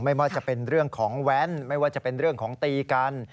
ไม่ว่าจะเป็นเรื่องของแว้นไม่ว่าจะเป็นเรื่องของตีกัน